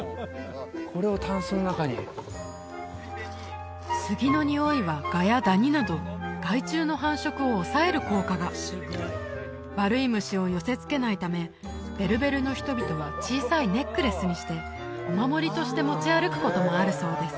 これをタンスの中にスギのにおいはガやダニなど害虫の繁殖を抑える効果が悪い虫を寄せつけないためベルベルの人々は小さいネックレスにしてお守りとして持ち歩くこともあるそうです